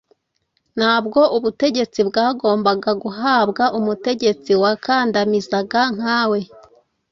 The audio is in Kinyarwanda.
Ntabwo ubutegetsi bwagombaga guhabwa umutegetsi wakandamizaga nkawe.